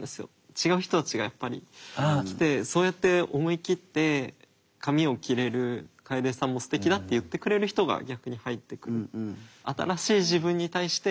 違う人たちがやっぱり来てそうやって思いきって髪を切れる楓さんもすてきだって言ってくれる人が逆に入ってくる。